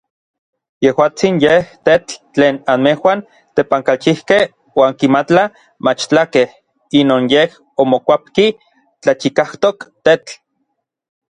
Yejuatsin yej n tetl tlen anmejuan tepankalchijkej oankimatla machtlakej inon yen omokuapki tlachikajtok tetl.